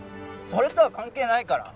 それとは関係ないから！